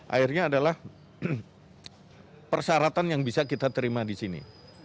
akhirnya adalah persyaratan yang bisa kita terima di sini